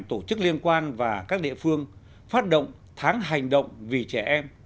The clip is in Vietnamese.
tổ chức liên quan và các địa phương phát động tháng hành động vì trẻ em